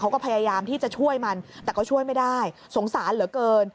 พยายามที่จะช่วยมันแต่ก็ช่วยไม่ได้สงสารเหลือเกิน